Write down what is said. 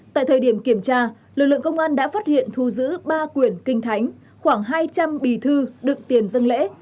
tại thời điểm kiểm tra lực lượng công an đã phát hiện thu giữ ba quyển kinh thánh khoảng hai trăm linh bì thư đựng tiền dân lễ